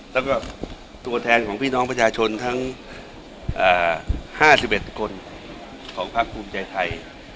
แล้วก็ตัวแทนของพี่น้องประชาชนทั้ง๕๑คนของพักภูมิใจไทย